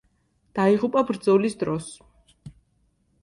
დაიღუპა ბრძოლის დროს.